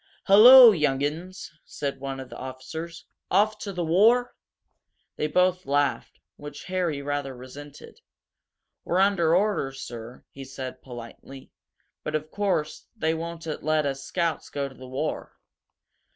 "Hullo, young 'uns!" said one of the officers. "Off to the war?" They both laughed, which Harry rather resented. "We're under orders, sir," he said, politely. "But, of course, they won't let us Scouts go to the war."